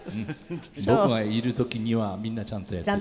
僕がいる時にはみんなちゃんとやっている。